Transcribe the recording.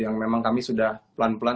yang memang kami sudah pelan pelan